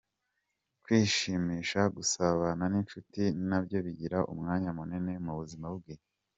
Kwishimisha , gusabana n’inshuti nabyo bigira umwanya munini mu buzima bwe .